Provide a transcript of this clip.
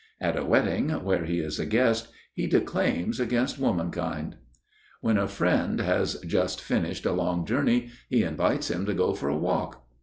At a wedding where he is a guest he declaims against womankind. When a friend has just finished a long journey he invites him to go for a walk.